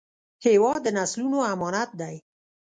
هېواد د نسلونو امانت دی.